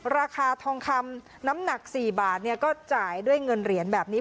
ราคาทองคำน้ำหนัก๔บาทก็จ่ายด้วยเงินเหรียญแบบนี้